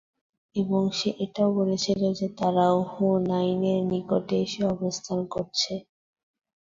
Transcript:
এবং সে এটাও বলেছিল যে, তারা হুনাইনের নিকটে এসে অবস্থান করছে।